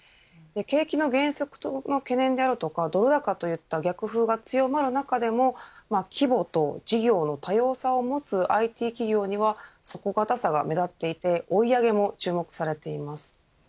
景気の減速の懸念であるとかドル高といった逆風が強まる中でも規模と事業の多様さを持つＩＴ企業には底堅さが目立っていて追い上げも注目されています。